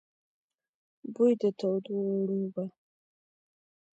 بوی د تودو اوړو به،